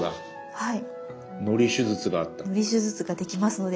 はい。